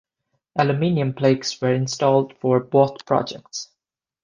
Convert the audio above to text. Aluminum plaques were installed for both projects.